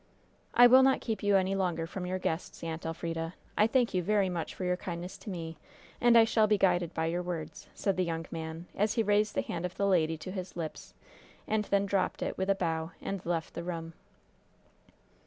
"I will not keep you any longer from your guests, Aunt Elfrida. I thank you very much for your kindness to me, and I shall be guided by your words," said the young man, as he raised the hand of the lady to his lips, and then dropped it with a bow and left the room.